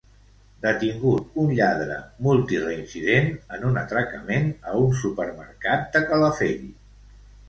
Detingut un lladre multireincident en un atracament a un supermercat de Calafell.